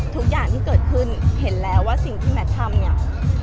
ทุกอย่างที่เกิดขึ้นเห็นแล้วว่าสิ่งที่แมททำเนี่ย